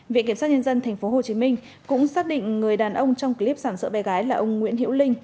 viện kiểm soát nhân dân tp hồ chí minh cũng xác định người đàn ông trong clip sảm sợ bè gái là ông nguyễn hiễu linh